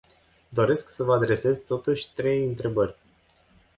Doresc să vă adresez, totuși, trei întrebări.